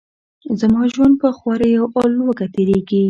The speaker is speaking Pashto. زما ژوند په خواریو او لوږه تیریږي.